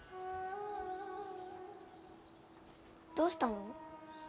どうしたの？